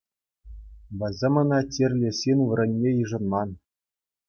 Вӗсем ӑна чирлӗ ҫын вырӑнне йышӑнман.